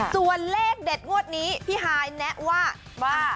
ส่วนเลขเด็ดงวดนี้พี่ฮายแนะว่า